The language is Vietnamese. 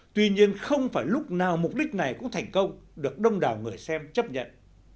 tuy nhiên không phải lúc nào mục đích này cũng thành công được đông đảo người xem chấp nhận